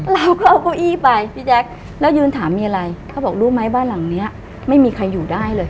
เราก็เอาเก้าอี้ไปพี่แจ๊คแล้วยืนถามมีอะไรเขาบอกรู้ไหมบ้านหลังนี้ไม่มีใครอยู่ได้เลย